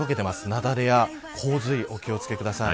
雪崩や洪水お気を付けください。